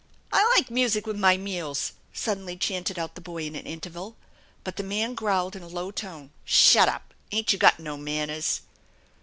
" I like music with my meals !" suddenly chanted out the boy in an interval. But the man growled in a low tone: " Shut up ! Ain't you got no manners